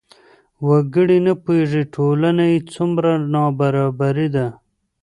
وګړي نه پوهېږي ټولنه یې څومره نابرابره ده.